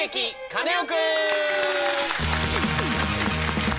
カネオくん」！